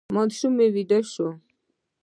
ماشوم ویده شو.